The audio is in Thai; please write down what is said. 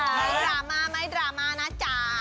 ไม่ดราม่าไม่ดราม่านะจ๊ะ